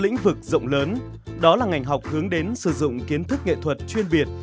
lĩnh vực rộng lớn đó là ngành học hướng đến sử dụng kiến thức nghệ thuật chuyên việt